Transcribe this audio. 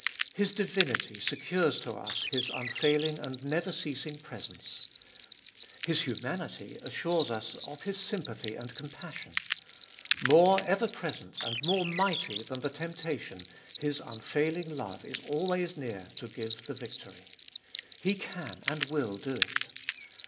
His divinity secures to us His unfailing and never ceasing presence. His humanity assures us of His sympathy 102 cbe ibolfest of Bll and compassion. More ever present and more mighty than the temptation, His unfailing love is always near to give the victory. He can and will do it.